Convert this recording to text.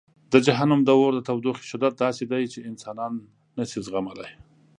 د جهنم د اور د تودوخې شدت داسې دی چې انسانان نه شي زغملی.